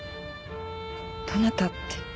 どなたって。